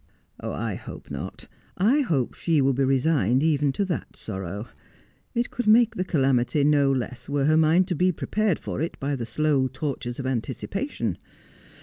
' I hope not. I hope she will be resigned even to that sorrow. It could make the calamity no less were her mind to be prepared for it by the slow tortures of anticipation.